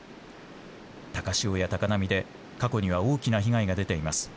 高潮や高波で過去には大きな被害が出ています。